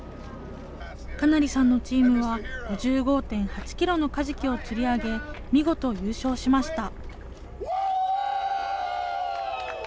金成さんのチームは５５．８キロのカジキを釣り上げ、見事優勝しました。